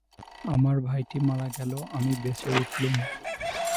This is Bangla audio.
আমার ভাইটি মারা গেল, আমি বেঁচে উঠলুম।